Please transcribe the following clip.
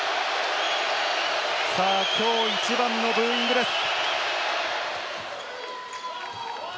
きょう一番のブーイングです。